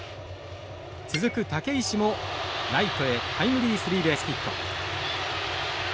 続く武石もライトへタイムリースリーベースヒット。